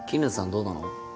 どうなの？